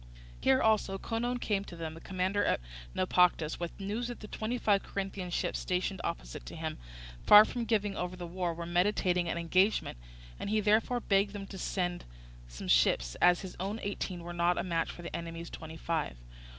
Here, also, Conon came to them, the commander at Naupactus, with news that the twenty five Corinthian ships stationed opposite to him, far from giving over the war, were meditating an engagement; and he therefore begged them to send him some ships, as his own eighteen were not a match for the enemy's twenty five.